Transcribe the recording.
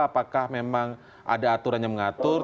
apakah memang ada aturan yang mengatur